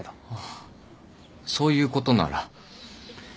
ああそういうことなら。